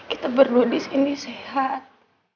kita berdua disini sehat